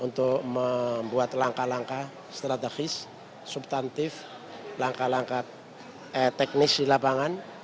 untuk membuat langkah langkah strategis subtantif langkah langkah teknis di lapangan